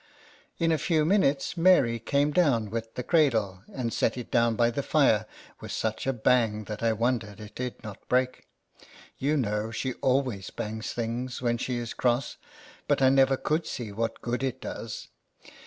In a few minutes Mary 76 LETTERS FROM A CAT. came down with the cradle, and set it down by the fire with such a bang that I wondered it did not break. You know she always bangs things when she is cross, but I never could see what good it does.